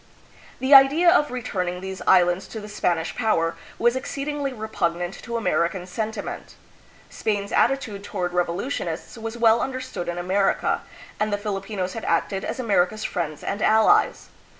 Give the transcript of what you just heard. The idea of returning these islands to the Spanish power was exceedingly repugnant to American sentiment. Spain's attitude toward revolutionists was well understood in America, and the Filipinos had acted as America's friends and allies.